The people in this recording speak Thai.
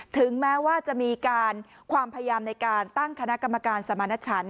ถึงแม้ว่าจะมีการความพยายามในการตั้งคณะกรรมการสมาณชัน